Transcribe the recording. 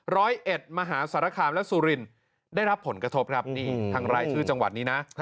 ร้อยเอ็ดมหาสารคามและสุรินได้รับผลกระทบครับนี่ทางรายชื่อจังหวัดนี้นะ